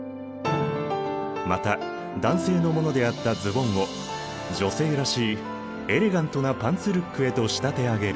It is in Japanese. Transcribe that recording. また男性のものであったズボンを女性らしいエレガントなパンツルックへと仕立て上げる。